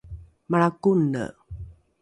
malra kone